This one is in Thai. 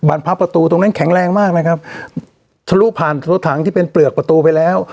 พับประตูตรงนั้นแข็งแรงมากนะครับทะลุผ่านตัวถังที่เป็นเปลือกประตูไปแล้ว